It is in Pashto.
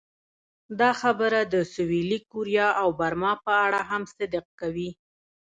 دا خبره د سویلي کوریا او برما په اړه هم صدق کوي.